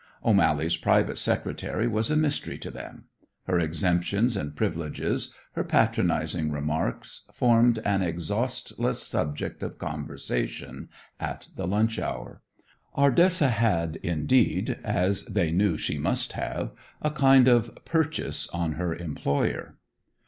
O'Mally's private secretary was a mystery to them. Her exemptions and privileges, her patronizing remarks, formed an exhaustless subject of conversation at the lunch hour. Ardessa had, indeed, as they knew she must have, a kind of "purchase" on her employer.